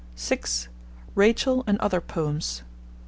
(6) Rachel and Other Poems.